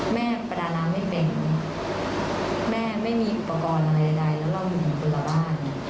ประดาน้ำไม่เป็นแม่ไม่มีอุปกรณ์อะไรใดแล้วเราเห็นคนละบ้าน